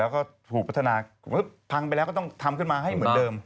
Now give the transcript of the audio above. คือพังไปแล้วก็ต้องทำขึ้นมาให้เหมือนเดิม